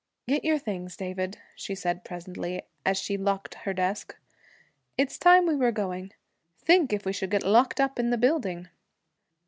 'Get your things, David,' she said presently, as she locked her desk. 'It's time we were going. Think if we should get locked up in the building!'